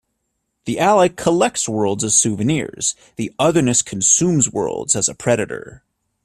The Ally "collects" worlds as souvenirs, the Otherness "consumes" worlds as a predator.